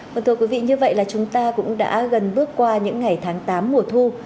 vâng thưa quý vị như vậy là chúng ta cũng đã gần bước qua những ngày tháng tám mùa thu